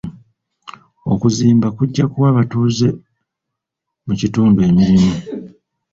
Okuzimba kujja kuwa abatuuze mu kitundu emirimu.